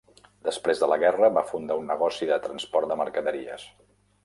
Després de la guerra, va fundar un negoci de transport de mercaderies.